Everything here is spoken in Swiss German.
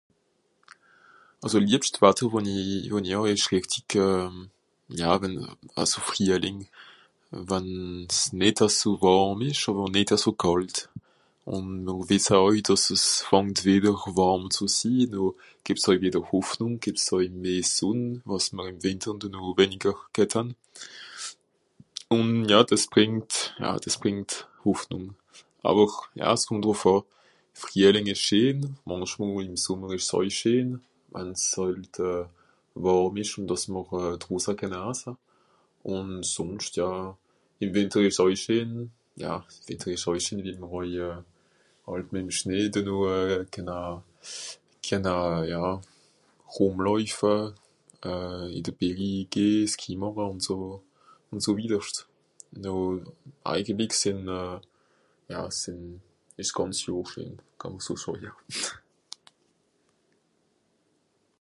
Àlso liebscht (...) wànn i, wànn i hàà ìsch rìchtig euh... ja wenn euh... àlso Friahling. wann's nìt aso wàrm ìsch àwer nìt aso kàlt. Ùn noh wìssa àui dàss es fàngt wìdder wàrm ze sii, noh gìbt's àui wenjer Hoffnùng, gìbt's àui meh Sùnn, wàs mr ìm Wìnter denoh weniger ghet han. Ùn ja dìs brìngt, ja dìs brìngt Hoffnùng. Àwer ja s'Kùmmt drùf àn. Friahling ìsch scheen, mànchmol ìm Sùmmer ìsch's àui scheen, wenn's hàlt euh... wàrm ìsch ùn mr euh... drùssa kenna assa. Ùn sùnscht ja... ìm Wìnter ìsch's àui scheen, ja, s'Wetter ìsch àui scheen, wie mr àui euh... hàlt ìm Schnee denoh kenna... kenna...ja... rùmlàuifa, euh... ìn de Bärri geh, Ski màcha ùn so... ùn so witterscht. Noh eigentlig sìnn, ja sìnn... ìsch's d'gànz Johr scheen. (...)